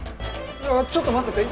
ちょっと待ってて。